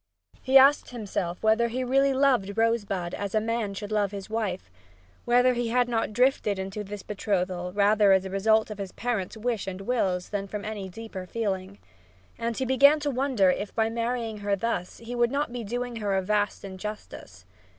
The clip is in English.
He asked himself whether he really loved Rosebud as a man should love his wife, whether he had not drifted into this betrothal rather as a result of their parents' wish and wills than from any deeper feeling. And he began to wonder if by marrying her thus he would not be doing her a vast injustice.